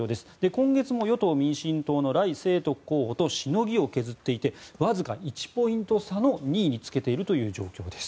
今月も与党・民進党のライ・セイトク候補としのぎを削っていてわずか１ポイント差の２位につけているという状況です。